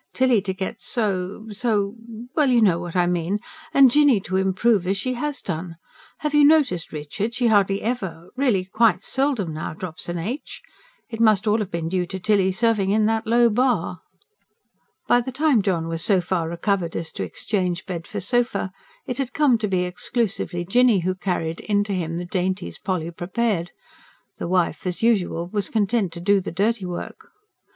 Tilly to get so ... so ... well, you know what I mean ... and Jinny to improve as she has done. Have you noticed, Richard, she hardly ever really quite seldom now drops an h? It must all have been due to Tilly serving in that low bar." By the time John was so far recovered as to exchange bed for sofa, it had come to be exclusively Jinny who carried in to him the dainties Polly prepared the wife as usual was content to do the dirty work!